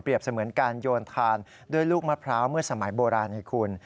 เสมือนการโยนทานด้วยลูกมะพร้าวเมื่อสมัยโบราณให้คุณ